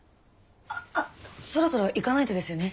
あっそろそろ行かないとですよね